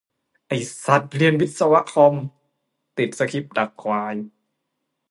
ไอสัสเรียนวิศวคอม ติดสคริปดักควาย !